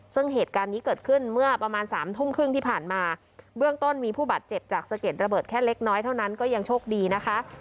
ซึ่งเหตุการณ์นี้เกิดขึ้นเมื่อประมาณสามทุ่มครึ่งที่ผ่านมาเบื้องต้นมีผู้บาดเจ็บจากสะเก็ดระเบิดแค่เล็กน้อยเท่านั้นก็ยังโชคดีนะคะ